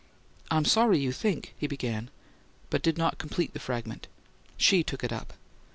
"I'm sorry you think " he began, but did not complete the fragment. She took it up.